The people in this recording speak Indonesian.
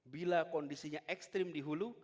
bila kondisinya ekstrim di hulu